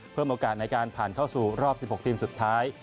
โอกาสในการผ่านเข้าสู่รอบ๑๖ทีมสุดท้าย